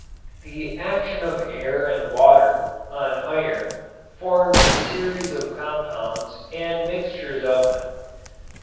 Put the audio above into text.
The action of air and water on iron forms a series of compounds and mixtures of them.